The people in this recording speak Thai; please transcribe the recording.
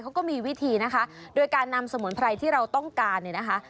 เขาก็มีวิธีนะคะโดยการนำสมุนไพรที่เราต้องการเนี่ยนะคะ